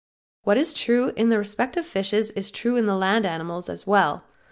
What is true in this respect of fishes is true of land animals as well.